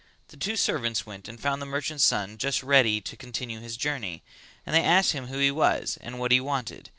The two servants went and found the merchant's son just ready to continue his journey, and they asked him who he was and what he wanted.